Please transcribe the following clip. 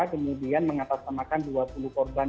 kemudian mengatasnamakan dua puluh korban